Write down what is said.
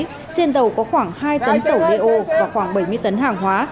trên tàu có khoảng hai tấn sổ đeo và khoảng bảy mươi tấn hàng hóa